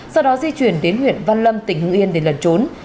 sau đó di chuyển đến huyện văn lâm tỉnh hưng yên để lần trốn